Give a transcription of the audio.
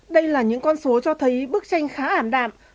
đây là những con số cho thấy bức tranh khá ảm đạm